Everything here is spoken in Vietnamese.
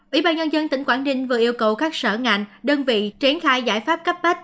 ủy ban nhân dân tỉnh quảng ninh vừa yêu cầu các sở ngành đơn vị triển khai giải pháp cấp bách